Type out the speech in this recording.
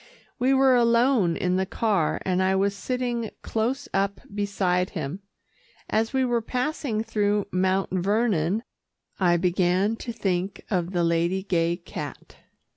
We were alone in the car, and I was sitting close up beside him. As we were passing through Mount Vernon I began to think of the Lady Gay cat.